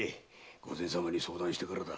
御前様に相談してからだ。